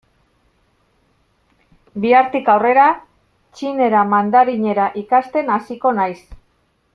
Bihartik aurrera txinera, mandarinera, ikasten hasiko naiz.